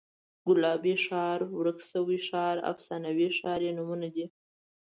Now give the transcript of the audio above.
ګلابي ښار، ورک شوی ښار، افسانوي ښار یې نومونه دي.